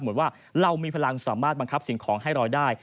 เหมือนว่าเรามีพลังสามารถบังคับสิ่งของให้รอยได้